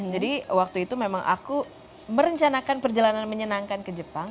jadi waktu itu memang aku merencanakan perjalanan menyenangkan ke jepang